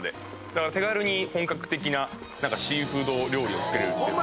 だから手軽に本格的なシーフード料理を作れる。